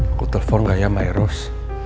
aku telfon gak ya mbak eros